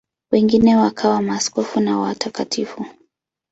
Wengine wakawa maaskofu na watakatifu.